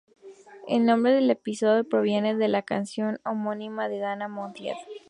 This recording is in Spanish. El nombre del episodio proviene de la canción homónima de Dana Monteith.